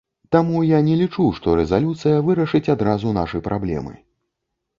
Таму я не лічу, што рэзалюцыя вырашыць адразу нашы праблемы.